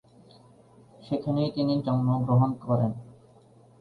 সেখানেই তিনি জন্মগ্রহণ করেন।